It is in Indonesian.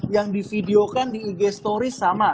yang di videokan di ig stories sama